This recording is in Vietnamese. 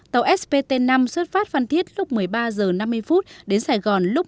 tàu spt năm xuất phát tại sài gòn lúc một mươi ba h năm mươi đến sài gòn lúc tám h một mươi năm